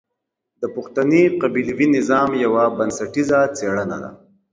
د پښتني قبيلوي نظام يوه بنسټيزه څېړنه ده.